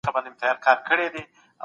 بهرنی سیاست د هیواد لپاره د عزت لار ده.